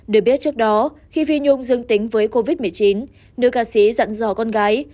được biết trước đó khi vi nhung dương tính với covid một mươi chín nữ ca sĩ dặn dò con gái